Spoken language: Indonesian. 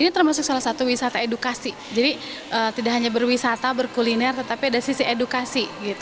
ini termasuk salah satu wisata edukasi jadi tidak hanya berwisata berkuliner tetapi ada sisi edukasi